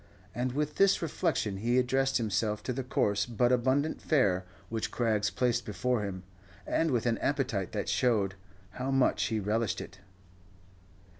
And with this reflection he addressed himself to the coarse but abundant fare which Craggs placed before him, and with an appetite that showed how much he relished it.